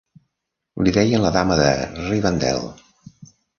Li deien la dama de Rivendel.